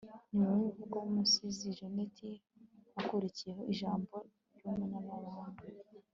nyuma y'umuvugo w'umusizi jeannette, hakurikiyeho ijambo ry'umunyamabanga